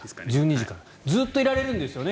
ずっといられるんですよね